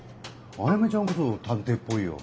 あやめちゃんこそ探偵っぽいよ。